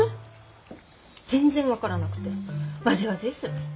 全然分からなくてわじわじーする。